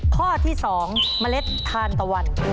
ข้อที่๒เมล็ดทานตะวัน